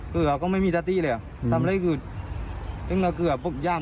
ก้นยิบขวดมาแล้วมาถูกละเรา